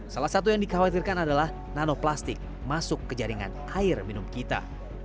salah satu yang dikhawatirkan adalah nanoplastik masuk ke jaringan air minum kita